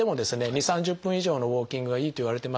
２０３０分以上のウォーキングがいいといわれてます。